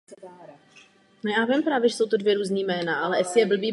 Je spoluautorem čtrnácti operet a autorem hudby k více než padesáti českým filmům.